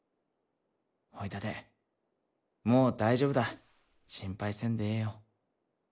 ほいだでもう大丈夫だ心配せんでええよ。